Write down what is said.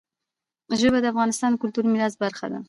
ژبې د افغانستان د کلتوري میراث برخه ده.